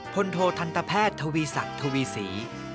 พลโททันตแพทย์ทวีศักดิ์ทวีศรี